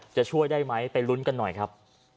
จะช่วยได้ไหมไปลุ้นกันหน่อยครับ